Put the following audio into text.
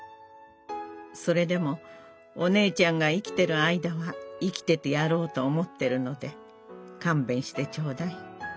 それでもお姉ちゃんが生きてる間は生きててやろうと思ってるのでかんべんしてちょうだい。